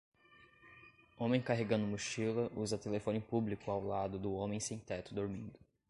homem carregando mochila usa telefone público ao lado do homem sem-teto dormindo.